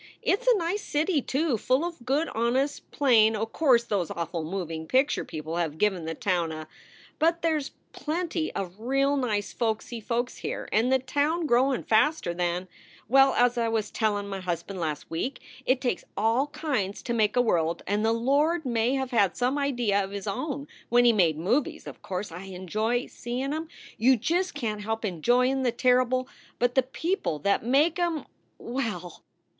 It s a nice city, too, full of good, honest, plain o course those awful moving picture people have given the town a But there s plenty of real nice folksy folks here; and the town growin faster than Well, as I was tellin m husband last week, it takes all kinds to make a world and the Lord may have had some idea of his own when he made movies; of course, I enjoy seein em. You just can t help enjoyin the terrible But the people that make em well!